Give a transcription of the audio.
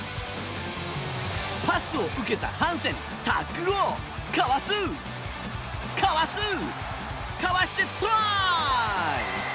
パスを受けたハンセンタックルをかわす、かわすかわしてトライ！